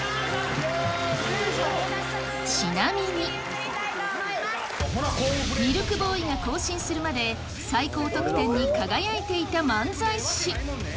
ちなみにミルクボーイが更新するまで最高得点に輝いていた漫才師